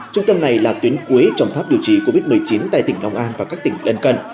trung tâm này là tuyến cuối trong tháp điều trị covid một mươi chín tại tỉnh long an và các tỉnh lân cận